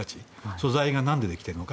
素材が何でできているのか。